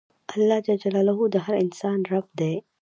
اللهﷻ د هر انسان رب دی.